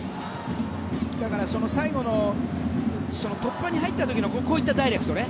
だから最後の突破に入った時のこういったダイレクトね。